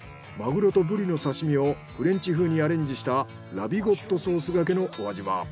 マグロとブリの刺身をフレンチ風にアレンジしたラビゴットソースがけのお味は？